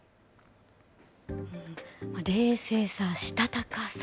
冷静さ、したたかさ。